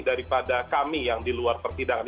daripada kami yang di luar persidangan